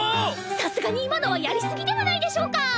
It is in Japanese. さすがに今のはやり過ぎではないでしょうか？